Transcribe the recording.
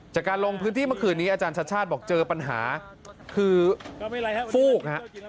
จากการลงพื้นที่เมื่อคืนนี้อาจารย์ชาติชาติบอกเจอปัญหาคือฟูกฮะ